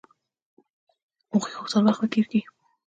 هغوی غوښتل وخت و تېريږي.